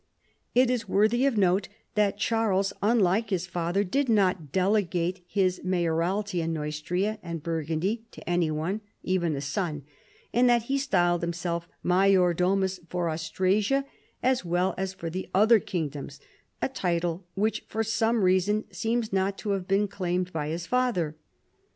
It is worthy of note that Charles, unlike his father, did not delegate his mayoralty in Neustria and Bur gundy to any one, even a son, and that he styled him self major domus for Austrasia as well as for the other kingdoms, a title which for some reason seems not to have been claimed by his father.